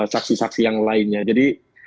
saksi saksi yang lainnya jadi